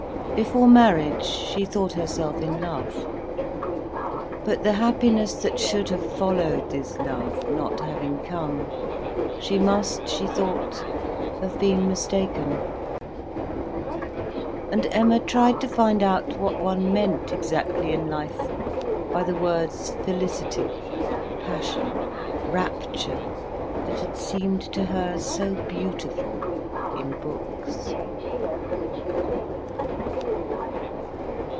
Before marriage she thought herself in love; but the happiness that should have followed this love not having come, she must, she thought, have been mistaken. And Emma tried to find out what one meant exactly in life by the words felicity, passion, rapture, that had seemed to her so beautiful in books.